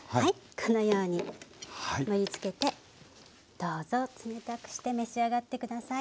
このように盛りつけてどうぞ冷たくして召し上がって下さい。